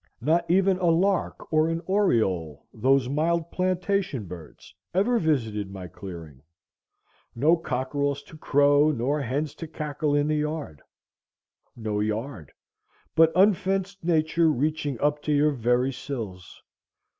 Not even a lark or an oriole, those mild plantation birds, ever visited my clearing. No cockerels to crow nor hens to cackle in the yard. No yard! but unfenced Nature reaching up to your very sills.